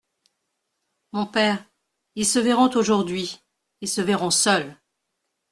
Mon père, ils se verront aujourd’hui ; ils se verront seuls.